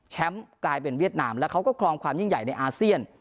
กลายเป็นเวียดนามแล้วเขาก็ครองความยิ่งใหญ่ในอาเซียน